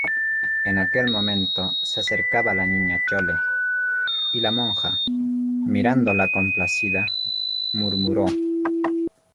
en aquel momento se acercaba la Niña Chole, y la monja, mirándola complacida, murmuró: